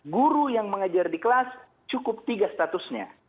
guru yang mengajar di kelas cukup tiga statusnya